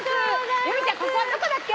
由美ちゃんここはどこだっけ？